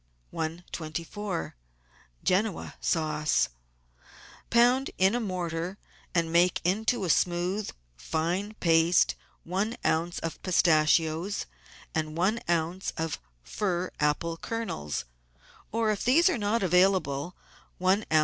i24~QEN0A SAUCE Pound in a mortar, and make into a smooth, fine paste, one oz. of pistachios and one oz. of fir apple kernels, or, if these are not available, one oz.